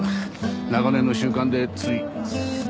長年の習慣でつい。